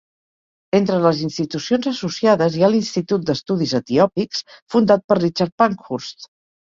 Entre les institucions associades hi ha l'Institut d'Estudis Etiòpics, fundat per Richard Pankhurst.